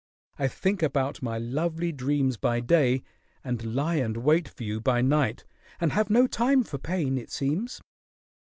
I think about my lovely dreams by day, and lie and wait for you by night, and have no time for pain, it seems.